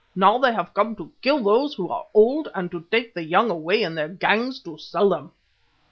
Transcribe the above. Now they have come to kill those who are old and to take the young away in their gangs to sell them."